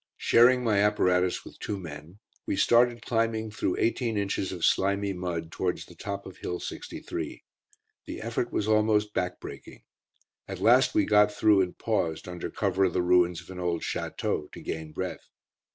Sharing my apparatus with two men, we started climbing through eighteen inches of slimy mud towards the top of Hill 63. The effort was almost backbreaking. At last we got through and paused, under cover of the ruins of an old château, to gain breath.